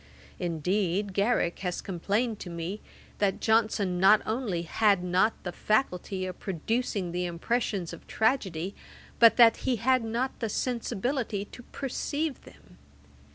Indeed Garrick has complained to me, that Johnson not only had not the faculty of producing the impressions of tragedy, but that he had not the sensibility to perceive them.